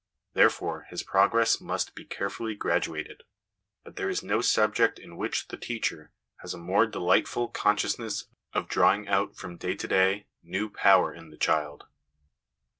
Therefore his progress must be carefully graduated ; but there is no subject in which the teacher has a more delightful conscious ness of drawing out from day to day new power in the child.